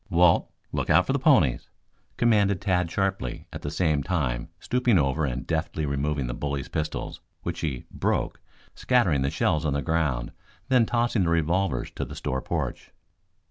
"Walt, look out for the ponies!" commanded Tad sharply, at the same time stooping over and deftly removing the bully's pistols, which he "broke," scattering the shells on the ground, then tossing the revolvers to the store porch.